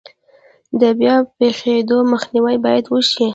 د بیا پیښیدو مخنیوی باید وشي.